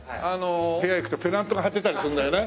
部屋行くとペナントが貼ってたりするんだよね。